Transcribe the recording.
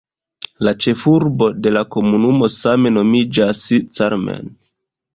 La ĉefurbo de la komunumo same nomiĝas "Carmen".